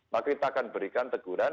maka kita akan berikan teguran